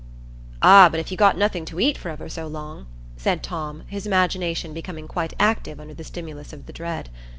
"Ah, but if you got nothing to eat for ever so long?" said Tom, his imagination becoming quite active under the stimulus of that dread.